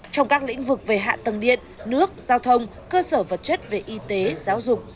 trong các lĩnh vực về hạ tầng điện nước giao thông cơ sở vật chất về y tế giáo dục